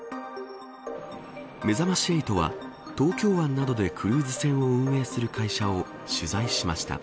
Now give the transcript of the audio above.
めざまし８は東京湾などでクルーズ船を運営する会社を取材しました。